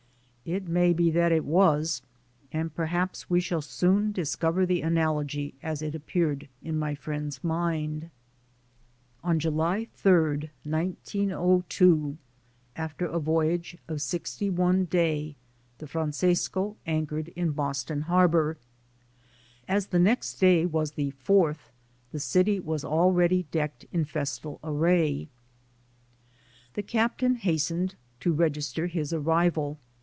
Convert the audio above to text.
It may be that it was, and perhaps we shall soon dis cover the analogy as it appeared in my friend's mind. On July 3rd, 1902, after a voyage of sixty one day, the Francesco anchored in Boston Harbor. As the next day was the "Fourth," the city was already decked in festal array. The captain has tened to register his arrival.